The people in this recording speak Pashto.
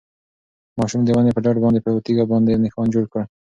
ماشوم د ونې په ډډ باندې په یوه تیږه باندې نښان جوړ کړ.